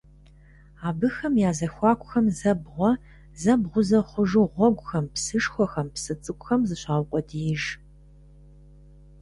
Абыхэм я зэхуакухэм зэ бгъуэ, зэ бгъузэ хъужу гъуэгухэм, псышхуэхэм, псы цӀыкӀухэм зыщаукъуэдииж.